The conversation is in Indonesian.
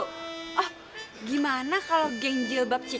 oh gimana kalau geng jilbab citra